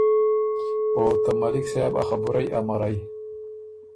او ته ملک صاحب ا خبُرئ امرئ۔